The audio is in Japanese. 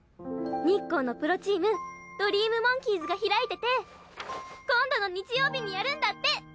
日光のプロチームドリームモンキーズが開いてて今度の日曜日にやるんだって！